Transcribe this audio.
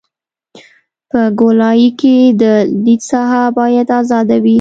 په ګولایي کې د لید ساحه باید ازاده وي